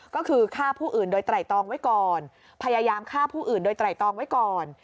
ก็คือฆ่าผู้อื่นโดยไตรตองไว้ก่อนพยายามฆ่าผู้อื่นโดยไตรตองไว้ก่อน